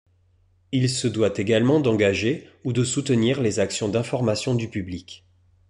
Il se doit également d'engager ou de soutenir les actions d'information du public.